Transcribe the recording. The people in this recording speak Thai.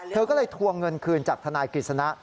เธอก็เลยทวงเงินคืนจากทนายกฤษณะ